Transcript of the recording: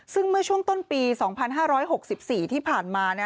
ซึ่งเมื่อช่วงต้นปี๒๕๖๔ที่ผ่านมา